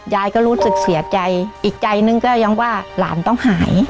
ยายก็รู้สึกเสียใจอีกใจนึงก็ยังว่าหลานต้องหาย